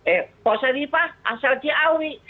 eh posa ripah asal ciawi